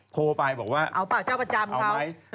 โพลไปบอกว่าเอาไหม